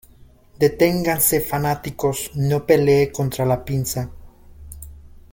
¡ Deténganse, fanáticos! No pelee contra la pinza.